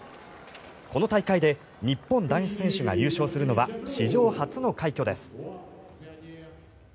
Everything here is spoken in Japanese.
この大会で日本男子選手が優勝するのは史上初の快挙です。